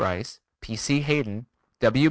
Rice, P.C. Hayden, W.